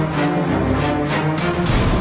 xin chào anh